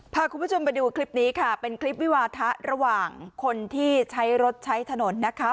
พาคุณผู้ชมไปดูคลิปนี้ค่ะเป็นคลิปวิวาทะระหว่างคนที่ใช้รถใช้ถนนนะคะ